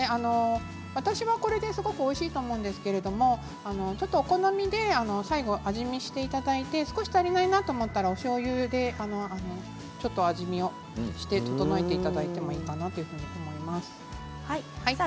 私はこれですごくおいしいと思うんですけれどお好みで最後味見をしていただいて少し足りないなと思ったらおしょうゆで調えていただいてもいいかなと思います。